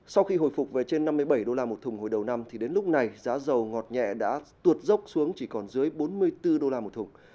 sau khi hồi phục về trên năm mươi bảy đô la một thùng hồi đầu năm đến lúc này giá dầu ngọt nhẹ đã tuột dốc xuống chỉ còn dưới bốn mươi bốn đô la một thùng